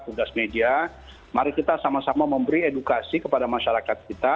tugas media mari kita sama sama memberi edukasi kepada masyarakat kita